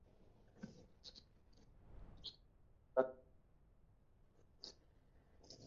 Este edificio aun se puede observar junto a la carretera de acceso al puerto.